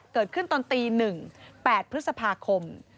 เกิดขึ้นตอนตี๑๘พฤษภาคม